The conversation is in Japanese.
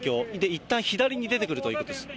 いったん左に出てくるということです。